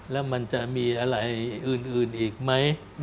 แล้วมันจะมีอะไรอื่นอีกไหม